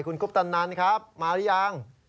คุณคุปตันันครับมาอย่าง